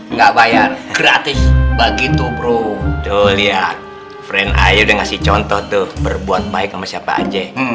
nggak bayar gratis begitu bro lihat friend saya udah ngasih contoh tuh berbuat baik sama siapa aja